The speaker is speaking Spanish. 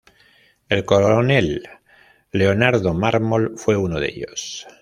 El Coronel Leonardo Mármol fue uno de ellos.